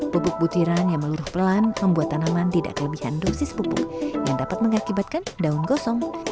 pupuk butiran yang meluruh pelan membuat tanaman tidak kelebihan dosis pupuk yang dapat mengakibatkan daun gosong